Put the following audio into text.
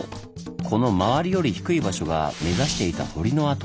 この周りより低い場所が目指していた堀の跡。